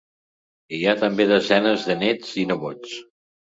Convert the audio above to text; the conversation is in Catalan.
Hi ha també desenes de néts i nebots.